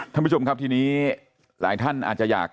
ท่านผู้ชมครับทีนี้หลายท่านอาจจะอยาก